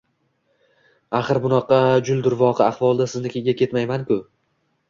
Axir bunaqa juldurvoqi ahvolda siznikiga ketmaydi-ku!